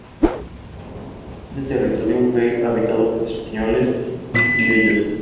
Así este territorio fue habitado por españoles y criollos.